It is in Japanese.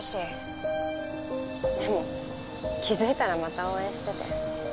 でも気づいたらまた応援してて。